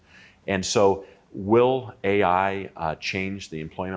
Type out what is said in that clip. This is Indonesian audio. jadi apakah ai akan mengubah lanskap pekerjaan